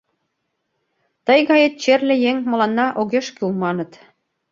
Тый гает черле еҥ мыланна огеш кӱл, маныт.